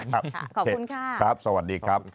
ขอบคุณค่ะสวัสดีครับ